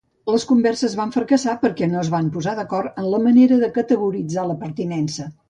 Les converses van fracassar perquè no es van posar d'acord en la manera de categoritzar la pertinença.